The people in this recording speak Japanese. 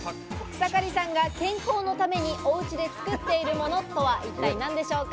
草刈さんが健康のためにおうちで作っているものとは一体何でしょうか？